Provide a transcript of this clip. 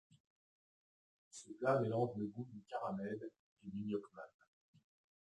Ce plat mélange le gout du caramel et du nước mắm.